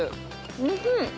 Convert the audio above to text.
おいしい。